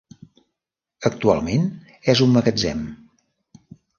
Actualment és un magatzem.